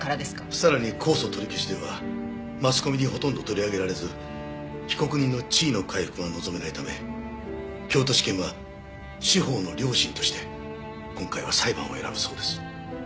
さらに公訴取り消しではマスコミにほとんど取り上げられず被告人の地位の回復が望めないため京都地検は司法の良心として今回は裁判を選ぶそうです。